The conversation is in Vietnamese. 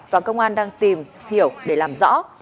và công an đang tìm hiểu để làm rõ